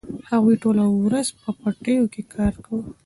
هغوی ټوله ورځ په پټیو کې کار کاوه.